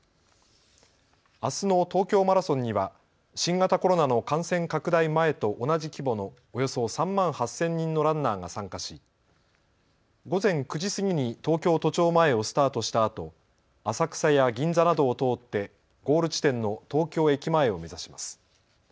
あすの東京マラソンには新型コロナの感染拡大前と同じ規模のおよそ３万８０００人のランナーが参加し午前９時過ぎに東京都庁前をスタートしたあと、浅草や銀座などを通ってゴール地点の東京駅前を目指します。